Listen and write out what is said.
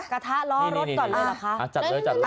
กระทะล้อรถก่อนเลยเหรอคะ